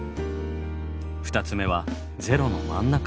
２つ目は「０」の真ん中部分。